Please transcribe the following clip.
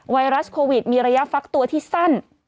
ไวรัสโควิดมีระยะฟักตัวที่สั้น